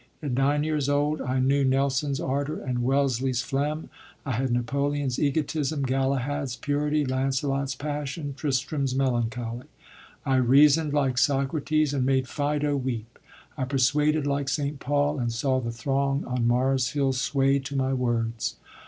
At nine years old I knew Nelson's ardour and Wellesley's phlegm; I had Napoleon's egotism, Galahad's purity, Lancelot's passion, Tristram's melancholy. I reasoned like Socrates and made Phædo weep; I persuaded like Saint Paul and saw the throng on Mars' Hill sway to my words.